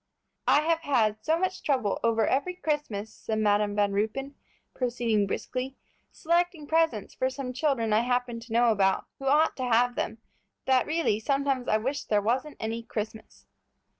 "I have had so much trouble over every Christmas," said Madam Van Ruypen, proceeding briskly, "selecting presents for some children I happen to know about, who ought to have them, that really I sometimes wish there wasn't any Christmas."